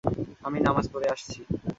আমি নামাজ পড়ে আসছি।